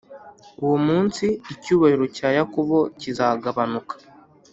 Uwo munsi, icyubahiro cya Yakobo kizagabanuka,